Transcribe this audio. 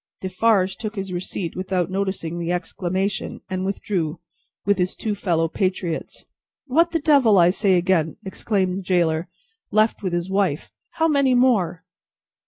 Defarge took his receipt without noticing the exclamation, and withdrew, with his two fellow patriots. "What the Devil, I say again!" exclaimed the gaoler, left with his wife. "How many more!"